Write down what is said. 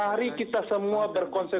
mari kita semua berkonsep